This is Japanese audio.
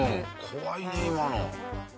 怖いね今の。